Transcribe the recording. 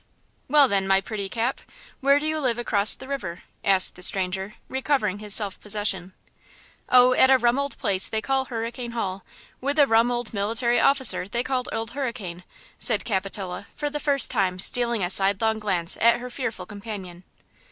"Well, then, my pretty Cap, where do you live across the river?" asked the stranger, recovering his self possession. "Oh, at a rum old place they call Hurricane Hall, with a rum old military officer they call Old Hurricane." said Capitola, for the first time stealing a sidelong glance at her fearful companion.